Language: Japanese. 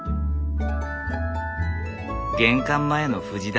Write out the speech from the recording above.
玄関前の藤棚。